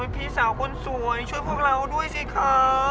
พี่สาวคนสวยช่วยพวกเราด้วยสิคะ